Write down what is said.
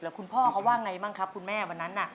แล้วคุณพ่อเขาว่าอย่างไรบ้างครับคุณแม่วันนั้นน่ะ